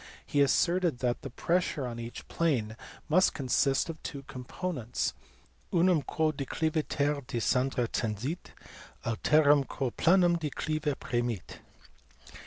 He asserted that the pressure on each plane must consist of two components, " unum quo decliviter de scendere tendit, alterum quo planum declive premit."